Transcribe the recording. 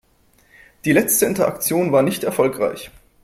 Die letzte Interaktion war nicht erfolgreich.